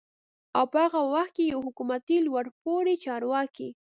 او په هغه وخت کې يوه حکومتي لوړپوړي چارواکي